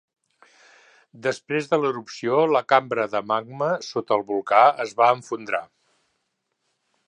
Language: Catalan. Després de l'erupció, la cambra de magma sota el volcà es va esfondrar.